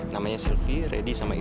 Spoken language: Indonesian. namanya sylvie reddy sama itu